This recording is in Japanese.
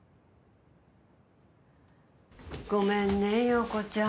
ごめんね洋子ちゃん。